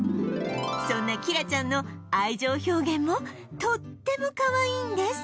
そんなキラちゃんの愛情表現もとってもかわいいんです